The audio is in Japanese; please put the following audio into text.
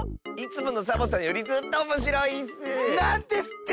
いつものサボさんよりずっとおもしろいッス！